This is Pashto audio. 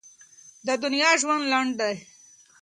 د دنیا ژوند لنډ دی.